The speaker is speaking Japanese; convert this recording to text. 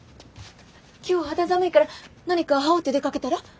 今日肌寒いから何か羽織って出かけたら。